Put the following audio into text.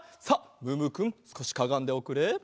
さあムームーくんすこしかがんでおくれ。